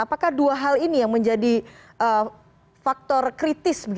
apakah dua hal ini yang menjadi faktor kritis